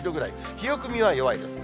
冷え込みは弱いですね。